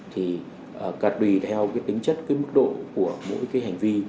thì cạt đùi theo cái tính chất cái mức độ của mỗi cái hành vi